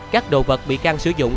các đồ vật bị can sử dụng